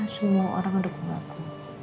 semua orang ngedukung aku